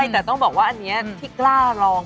แต่ต้องบอกว่าอันนี้ที่กล้าลอง